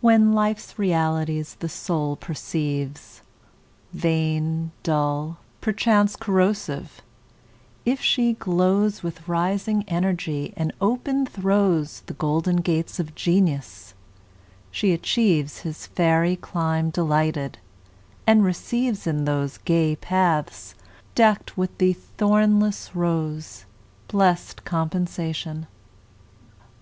When Life's realities the Soul perceives Vain, dull, perchance corrosive, if she glows With rising energy, and open throws The golden gates of Genius, she achieves His fairy clime delighted, and receives In those gay paths, deck'd with the thornless rose, Blest compensation.